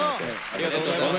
ありがとうございます。